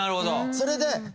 それで亀。